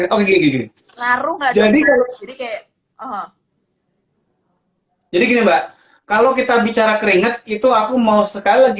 jadi kalau jadi kayak jadi gini mbak kalau kita bicara keringat itu aku mau sekali lagi